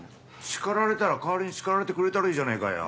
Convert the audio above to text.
叱られたら代わりに叱られてくれたらいいじゃねえかよ。